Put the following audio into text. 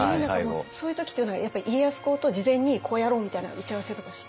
そういう時っていうのはやっぱ家康公と事前に「こうやろう」みたいな打ち合わせとかして？